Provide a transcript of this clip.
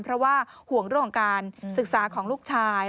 เพราะว่าห่วงเรื่องของการศึกษาของลูกชาย